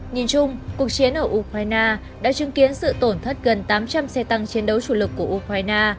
nhìn chung cuộc chiến ở ukraine đã chứng kiến sự tổn thất gần tám trăm linh xe tăng chiến đấu chủ lực của ukraine